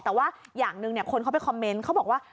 แต่ว่าอย่างหนึ่งคนเขาไปคอมเมนต์เขาบอกว่า